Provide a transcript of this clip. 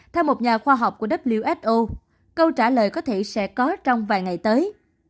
theo một nhà khoa học của who câu trả lời có thể sẽ có trong vài ngày tới